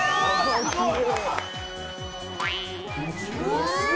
すごい！